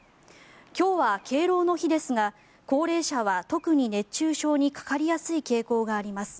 今日は敬老の日ですが高齢者は特に熱中症にかかりやすい傾向があります。